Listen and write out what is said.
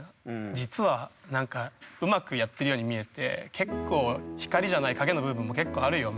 実はなんかうまくやってるように見えて結構光じゃない影の部分も結構あるよみたいな。